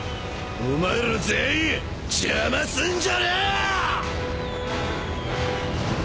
お前ら全員邪魔すんじゃねえ！